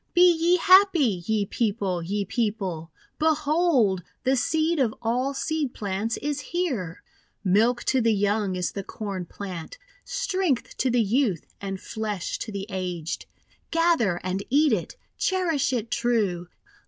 Be ye happy, ye People! ye People! Behold the seed of all seed plants is here I Milk to the young is the Corn Plant; Strength to the youth, and flesh to the aged! Gather and eat it. Cherish it true.